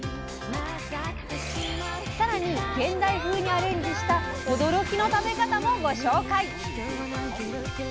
さらに現代風にアレンジした驚きの食べ方もご紹介！